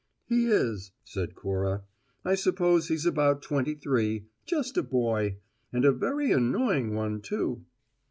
"He is," said Cora. "I suppose he's about twenty three; just a boy and a very annoying one, too!"